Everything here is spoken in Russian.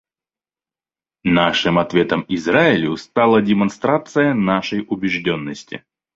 Нашим ответом Израилю стала демонстрация нашей убежденности.